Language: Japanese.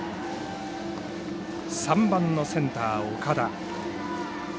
３番のセンター岡田。